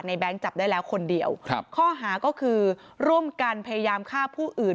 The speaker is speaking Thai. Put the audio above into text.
แก๊งจับได้แล้วคนเดียวครับข้อหาก็คือร่วมกันพยายามฆ่าผู้อื่น